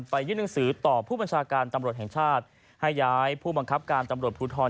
ยื่นหนังสือต่อผู้บัญชาการตำรวจแห่งชาติให้ย้ายผู้บังคับการตำรวจภูทร